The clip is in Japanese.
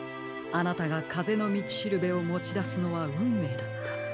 あなたがかぜのみちしるべをもちだすのはうんめいだった。